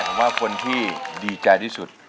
ผมว่าคนที่ดีใจที่สุด